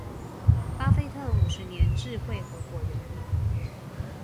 巴菲特五十年智慧合夥人